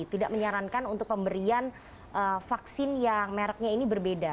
tidak menyarankan untuk pemberian vaksin yang mereknya ini berbeda